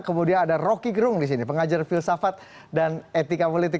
kemudian ada rocky gerung di sini pengajar filsafat dan etika politik